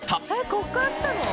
ここからきたの？